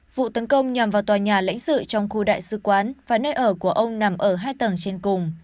vụ tấn công nhằm vào tòa nhà lãnh sự trong khu đại sứ quán và nơi ở của ông nằm ở hai tầng trên cùng